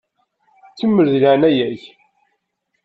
Kemmel di leɛnaya-k!